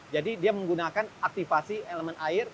jadi dia menggunakan aktifasi elemen air